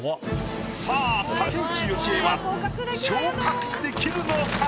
さあ竹内由恵は昇格できるのか？